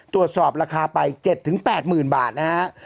ตรวจสอบราคาไป๗๘๐๐๐บาทนะฮะ